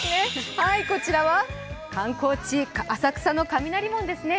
こちらは観光地、浅草の雷門ですね。